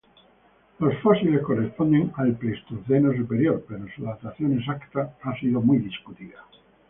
Los fósiles corresponden al Pleistoceno superior, pero su datación exacta ha sido muy discutida.